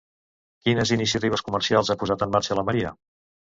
Quines iniciatives comercials ha posat en marxa la Maria?